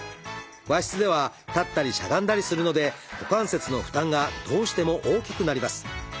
和室では立ったりしゃがんだりするので股関節の負担がどうしても大きくなります。